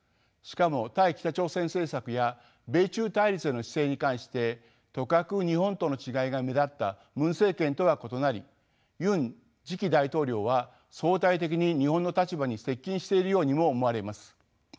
しかも対北朝鮮政策や米中対立への姿勢に関してとかく日本との違いが目立ったムン政権とは異なりユン次期大統領は相対的に日本の立場に接近しているようにも思われます。